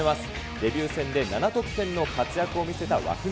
デビュー戦で７得点の活躍を見せた湧川。